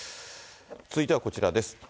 続いてはこちらです。